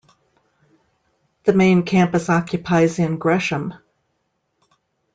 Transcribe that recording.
The main campus occupies in Gresham.